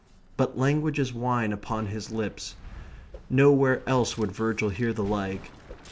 But language is wine upon his lips. Nowhere else would Virgil hear the like.